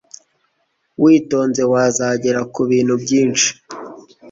Witonze wazagera ku bintu byinshi